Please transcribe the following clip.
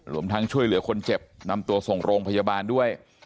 รวมทั้งช่วยเหลือคนเจ็บนำตัวส่งโรงพยาบาลด้วย